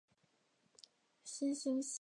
新兴线